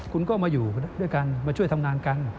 คุณก็มาอยู่ด้วยกันมาช่วยทำงานกัน